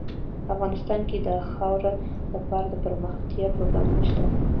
افغانستان کې د خاوره لپاره دپرمختیا پروګرامونه شته.